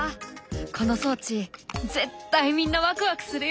この装置絶対みんなわくわくするよ！